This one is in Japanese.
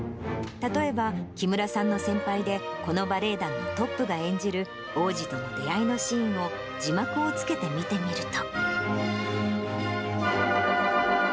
例えば木村さんの先輩で、このバレエ団のトップが演じる王子との出会いのシーンを字幕を付けて見てみると。